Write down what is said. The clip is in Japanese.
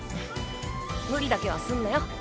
無理だけはすんなよ？